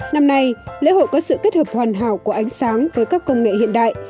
năm nay lễ hội có sự kết hợp hoàn hảo của ánh sáng với các công nghệ hiện đại